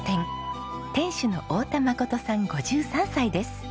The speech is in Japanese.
店主の太田真さん５３歳です。